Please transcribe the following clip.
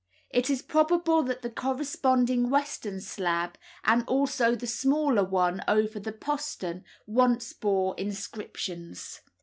It is probable that the corresponding western slab, and also the smaller one over the postern, once bore inscriptions.